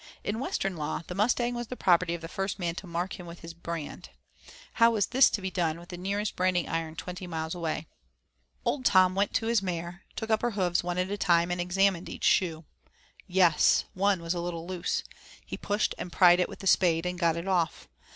In Western law the Mustang was the property of the first man to mark him with his brand; how was this to be done with the nearest branding iron twenty miles away? Old Tom went to his mare, took up her hoofs one at a time, and examined each shoe. Yes! one was a little loose; he pushed and pried it with the spade, and got it off.